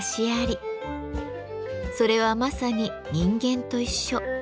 それはまさに人間と一緒。